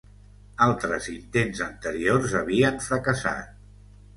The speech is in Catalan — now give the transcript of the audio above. Altres intents anteriors havien fracassat.